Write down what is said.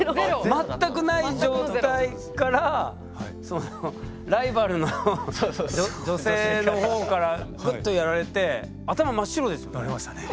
全くない状態からそのライバルの女性の方からグッとやられて頭真っ白ですよね？